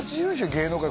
芸能界